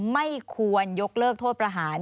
ไม่ควรยกเลิกโทษประหาร